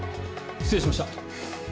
失礼しました。